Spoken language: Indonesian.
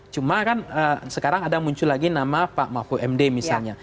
cuma kan sekarang ada muncul lagi nama pak mahfud md misalnya